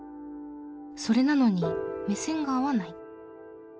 それなのに目線が合わない？